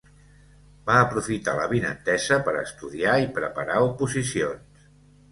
Va aprofitar l'avinentesa per estudiar i preparar oposicions.